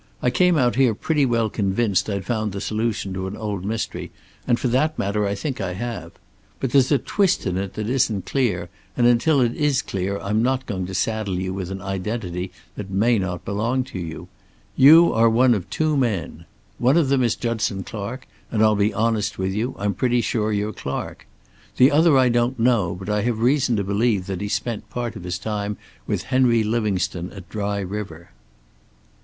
I came out here pretty well convinced I'd found the solution to an old mystery, and for that matter I think I have. But there's a twist in it that isn't clear, and until it is clear I'm not going to saddle you with an identity that may not belong to you. You are one of two men. One of them is Judson Clark, and I'll be honest with you; I'm pretty sure you're Clark. The other I don't know, but I have reason to believe that he spent part of his time with Henry Livingstone at Dry River."